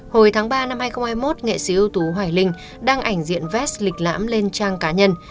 hồi tháng ba năm hai nghìn hai mươi một nghệ sĩ ưu tú hoài linh đăng ảnh diện vest lịch lãm lên trang cá nhân